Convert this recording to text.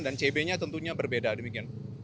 dan cb nya tentunya berbeda demikian